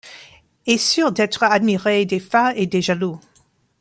Est sûr d'être admiré des fats et des jaloux